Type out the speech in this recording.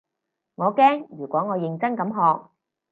我驚如果我認真咁學